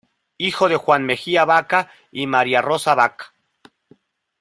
Hijo de Juan Mejía Baca y María Rosa Baca.